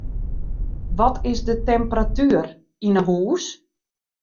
Wat is de temperatuer yn 'e hûs?